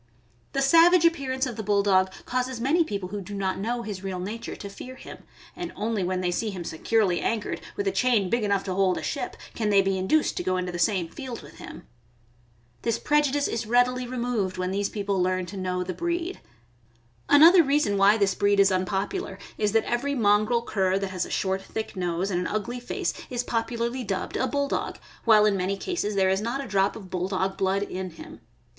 The savage appearance of the Bulldog causes many people who do not know his real nature to fear him, and only when they see him securely anchored, with a chain big enough to hold a ship, can they be induced to go into the same field with him. This prejudice is readily removed when these people learn to know the breed. Another reason why this breed is ^unpopular is that every mongrel cur that has a short, thick nose and an ugly face is popularly dubbed a Bulldog, THE BULLDOG. 603 while in many cases there is not a drop of Bulldog blood in him.